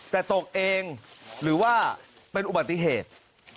แต่ตกเองหรือว่าเป็นอุบัติเหตุ